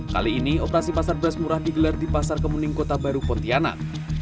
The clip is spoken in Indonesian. kali ini operasi pasar beras murah digelar di pasar kemuning kota baru pontianak